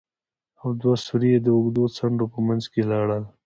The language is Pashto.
او دوه سوري يې د اوږدو څنډو په منځ کښې لرل.